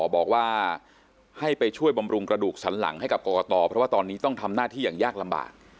บอกว่าให้ไปช่วยบำรุงกระดูกสันหลังให้กับกรกตเพราะว่าตอนนี้ต้องทำหน้าที่อย่างยากลำบาก